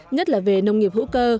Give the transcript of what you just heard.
nhất là về nông nghiệp hữu cơ